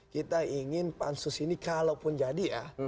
kita ingin pansus ini kalaupun jadi ya